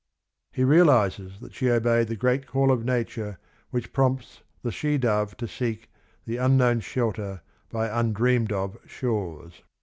'" He realizes that she obeyed the great call of nature which prompts the she dove to seek "the un known shelter by undreamed of shores."